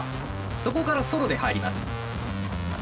そこからソロで入ります。